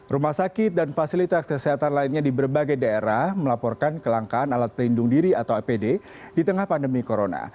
rumah sakit dan fasilitas kesehatan lainnya di berbagai daerah melaporkan kelangkaan alat pelindung diri atau apd di tengah pandemi corona